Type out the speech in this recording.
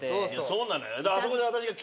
そうなのよ。